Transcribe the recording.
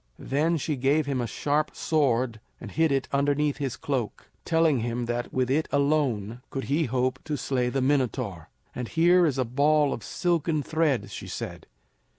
Then she gave him a sharp sword, and hid it underneath his cloak, telling him that with it alone could he hope to slay the Minotaur. "And here is a ball of silken thread," she said.